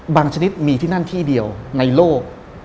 ชนิดมีที่นั่นที่เดียวในโลก